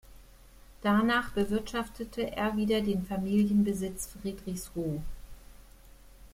Danach bewirtschaftete er wieder den Familienbesitz Friedrichsruh.